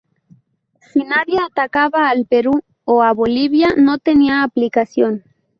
Si nadie atacaba al Perú o a Bolivia, no tenía aplicación.